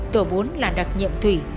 tổ bốn là đặc nhiệm thủy